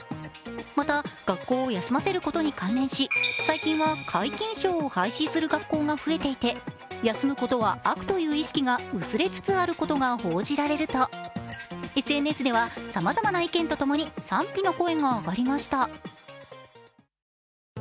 また、学校休ませることに関連し、最近は皆勤賞を廃止する学校が増えていて休むことは悪という意識が薄れつつあることが報じられるとＳＮＳでは、さまざまな意見とともに賛否の声が上がりました。